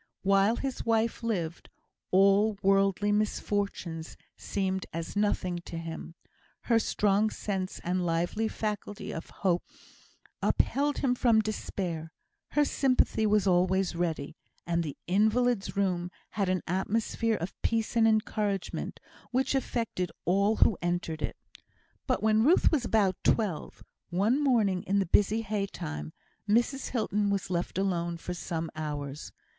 While his wife lived, all worldly misfortunes seemed as nothing to him; her strong sense and lively faculty of hope upheld him from despair; her sympathy was always ready, and the invalid's room had an atmosphere of peace and encouragement, which affected all who entered it. But when Ruth was about twelve, one morning in the busy hay time, Mrs Hilton was left alone for some hours.